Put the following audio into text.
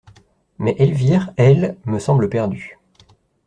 Mais, Elvire, elle, me semble perdue.